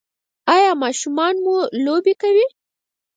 ایا ماشومان مو لوبې کوي؟